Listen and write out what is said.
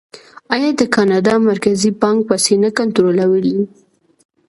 آیا د کاناډا مرکزي بانک پیسې نه کنټرولوي؟